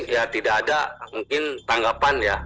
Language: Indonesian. ya tidak ada mungkin tanggapan ya